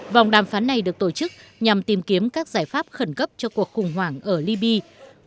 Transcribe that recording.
vòng đàm phán này được tổ chức nhằm tìm kiếm các giải pháp khẩn cấp cho cuộc khủng hoảng ở liby